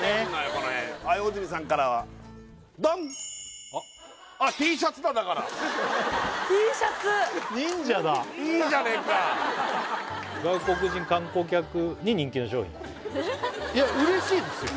これはい大泉さんからはドンＴシャツ外国人観光客に人気の商品いや嬉しいですよ